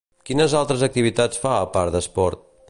Quines altres activitats fa a part d'esport?